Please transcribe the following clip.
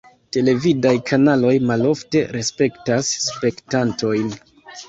Televidaj kanaloj malofte respektas spektantojn.